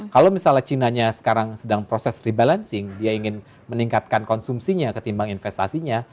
kalau misalnya chinanya sekarang sedang proses rebalancing dia ingin meningkatkan konsumsinya ketimbang investasinya